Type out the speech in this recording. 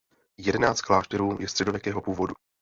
Jedenáct klášterů je středověkého původu.